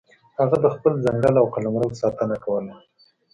هغه د خپل ځنګل او قلمرو ساتنه کوله.